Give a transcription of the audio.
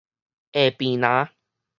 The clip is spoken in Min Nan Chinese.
下坪林